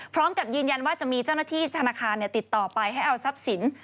พร้อมกับยืนยันว่าจะมีเจ้าหน้าที่ธนาคารติดต่อไปให้เอาทรัพย์สิน